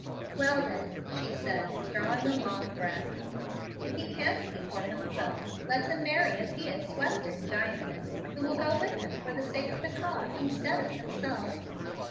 "Well, then," she said, drawing a long breath, "if he can't see for himself, let him marry a pious Western giantess, who will go with him for the sake of the cause instead of himself."